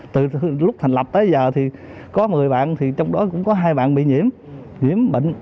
từ lúc thành lập tới giờ thì có một mươi bạn thì trong đó cũng có hai bạn bị nhiễm nhiễm bệnh